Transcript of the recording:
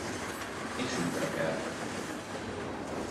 És útra kelt.